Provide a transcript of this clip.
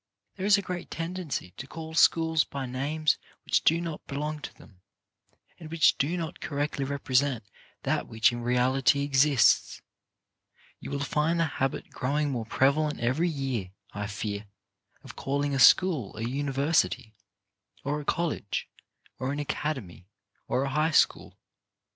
There is a great tendency to call schools by names which do not belong to them, and which do not correctly represent that which in reality exists. You will find the habit growing more prevalent every year, I fear, of calling a school a university, or a college, or an academy, or a high school.